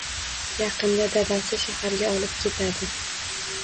Yaqinda dadasi shaharga olib ketadi.